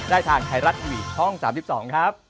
ทางไทยรัฐทีวีช่อง๓๒ครับ